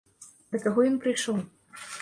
Да каго ён прыйшоў?